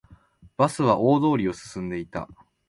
バスは大通りを進んでいた